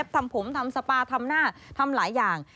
ทำผมทำสปาทำหน้าทำหลายอย่าง